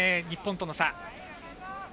日本との差。